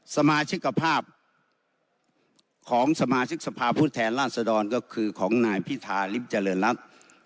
สมาชิกภาพของสมาชิกสภาพผู้แทนราชดรก็คือของนายพิธาริมเจริญรัฐ